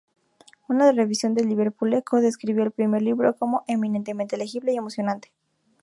Una revisión de "Liverpool Echo" describió el primer libro como "eminentemente legible y emocionante".